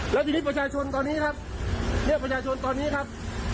แล้วทีนี้ประชาชนตอนนี้ครับเรียกประชาชนตอนนี้ครับ